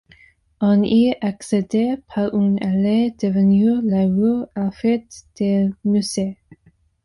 On y accédait par une allée devenue la rue Alfred de Musset.